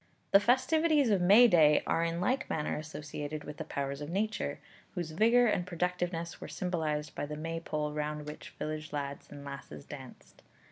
The festivities of May day are in like manner associated with the powers of Nature, whose vigour and productiveness were symbolized by the Maypole round which village lads and lasses danced.